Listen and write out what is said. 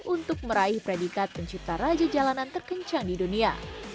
untuk meraih predikat pencipta raja jalanan terkencang di dunia